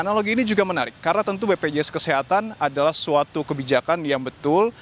analogi ini juga menarik karena tentu bpjs kesehatan adalah suatu kebijakan yang betul